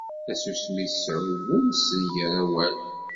Tasusmi tesɛuggun, tessengar awal.